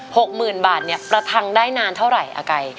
หกหมื่นบาทเนี่ยประทังได้นานเท่าไหร่อากาย